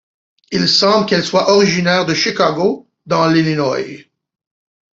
Il semble qu'elle soit originaire de Chicago dans l'Illinois.